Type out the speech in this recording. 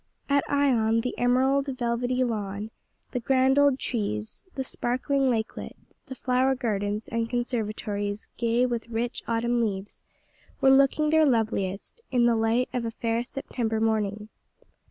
At Ion, the emerald, velvety lawn, the grand old trees, the sparkling lakelet, the flower gardens and conservatories gay with rich autumn hues, were looking their loveliest, in the light of a fair September morning.